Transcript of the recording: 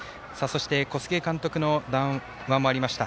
小菅監督の談話もありました。